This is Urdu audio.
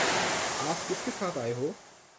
آپ کس کے ساتھ آئے ہو؟